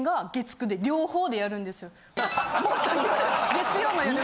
月曜の夜の。